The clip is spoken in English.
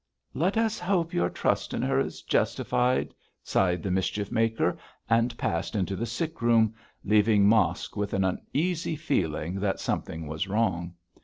'Let us hope your trust in her is justified,' sighed the mischief maker, and passed into the sickroom, leaving Mosk with an uneasy feeling that something was wrong.